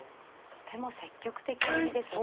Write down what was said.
とても積極的ですね。